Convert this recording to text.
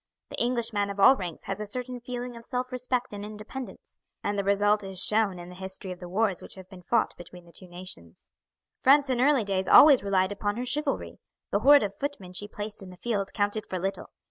The Englishman of all ranks has a certain feeling of self respect and independence, and the result is shown in the history of the wars which have been fought between the two nations. "France in early days always relied upon her chivalry. The horde of footmen she placed in the field counted for little.